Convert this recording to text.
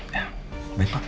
ya baik pak